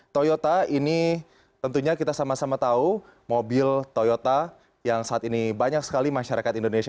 toyota ini tentunya kita sama sama tahu mobil toyota yang saat ini banyak sekali masyarakat indonesia